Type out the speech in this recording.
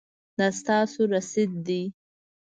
دا ستاسو رسید دی